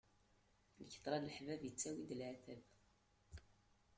Lketṛa n leḥbab ittawi d laɛtab.